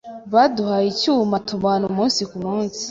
Baduhaye icyumba, tubana umunsi ku munsi